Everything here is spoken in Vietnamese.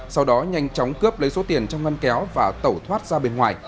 sau đó nhanh chóng cướp lấy số tiền trong ngân kéo và tẩu thoát ra bên ngoài